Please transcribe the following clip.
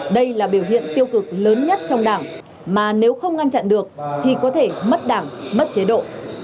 đây là biểu hiện tiêu cực lớn nhất trong đảng mà nếu không ngăn chặn được thì có thể mất đảng mất chế độ